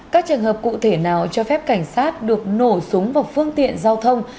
các trường hợp cụ thể nào cho phép cảnh sát được nổ súng vào phương tiện giao thông